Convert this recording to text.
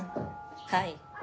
はい。